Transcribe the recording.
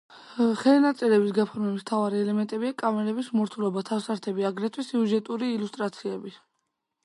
ხელნაწერების გაფორმების მთავარი ელემენტებია: კამარების მორთულობა, თავსართები, აგრეთვე სიუჟეტური ილუსტრაციები.